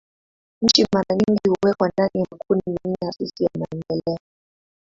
Nchi mara nyingi huwekwa ndani ya makundi manne hafifu ya maendeleo.